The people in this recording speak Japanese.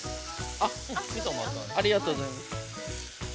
◆ありがとうございます。